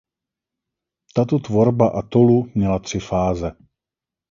Tato tvorba atolu měla tři fáze.